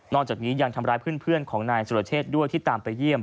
จากนี้ยังทำร้ายเพื่อนของนายสุรเชษด้วยที่ตามไปเยี่ยม